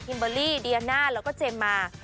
ฮิมเบอร์รี่ดียาน่าแล้วก็เจมมา